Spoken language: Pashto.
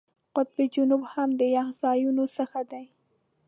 قطب جنوب هم د یخ ځایونو څخه دی.